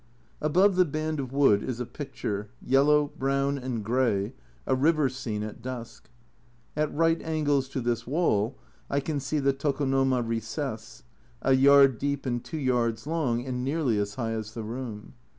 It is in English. Above the band of wood is a picture, yellow, brown, and grey, a river scene at dusk. At right angles to this wall I can see the Tokonoma recess a yard deep and two yards long and nearly as high as the room.